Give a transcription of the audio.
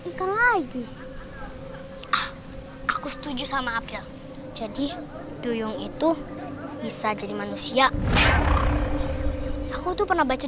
jadi ekor ikan lagi aku setuju sama abdel jadi duyung itu bisa jadi manusia aku tuh pernah baca